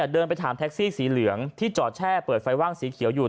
เดินไปถามแท็กซี่สีเหลืองที่จอดแช่เปิดไฟว่างสีเขียวอยู่